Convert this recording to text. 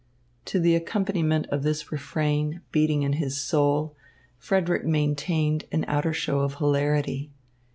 To the accompaniment of this refrain beating in his soul Frederick maintained an outer show of hilarity.